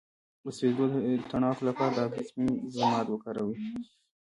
د سوځیدو د تڼاکو لپاره د هګۍ د سپین ضماد وکاروئ